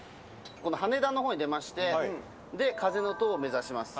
羽田の方に出ましてで風の塔を目指します。